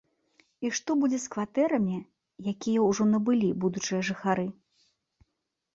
І што будзе з кватэрамі, якія ўжо набылі будучыя жыхары?